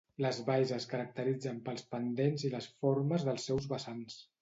Les valls es caracteritzen pels pendents i les formes dels seus vessants.